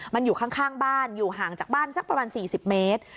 มันอยู่ข้างบ้านอยู่ห่างจากบ้านสักประมาณ๔๐เมตร